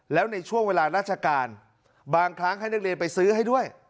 แล้วในช่วงเวลาราชการบางครั้งให้นักเรียนไปซื้อให้ด้วย